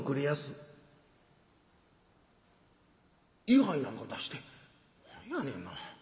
「位はいなんか出して何やねんな。